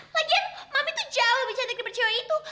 lagian mami tuh jauh lebih cantik daripada cewek itu